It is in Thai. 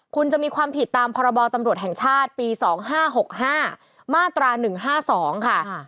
คุณจะมีความผิดตามพรบตำรวจแห่งชาติปี๒๕๖๕มาตรา๑๕๒ค่ะ